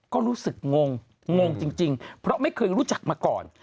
ก็รู้สึกงงงจริงเพราะไม่เคยรู้จักมาก่อน